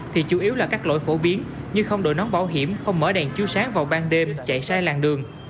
thì chủ yếu là các lỗi phổ biến như không đổi nón bảo hiểm không mở đèn chiếu sáng vào ban đêm chạy sai làng đường